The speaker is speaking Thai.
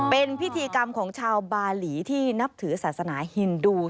เป็นพิธีกรรมของชาวบาหลีที่นับถือศาสนาฮินดู